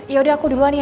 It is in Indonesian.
yaudah aku duluan ya